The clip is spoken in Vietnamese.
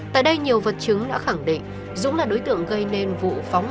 tại đây nhiều vật chứng đã khẳng định dũng là đối tượng gây nên vụ phóng hỏa đốt nhà bà nga